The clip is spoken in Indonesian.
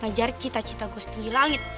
mengajar cita cita gue setinggi langit